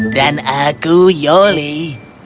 dan aku yoli